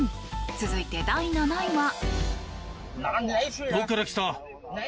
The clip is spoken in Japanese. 続いて、第７位は。